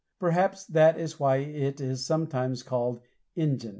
Perhaps that is why it is sometimes called "Injun."